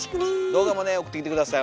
動画もね送ってきて下さい。